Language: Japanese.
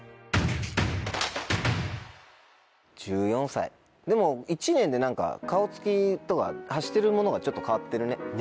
１３歳１４歳でも１年で顔つきとか発してるものがちょっと変わってるね。